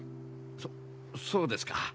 そそうですか。